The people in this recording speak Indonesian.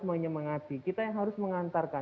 menyemangati kita yang harus mengantarkan